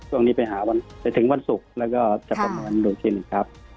ช่วงนี้ไปหาวันไปถึงวันศุกร์แล้วก็จะประเมินดูชิ้นครับ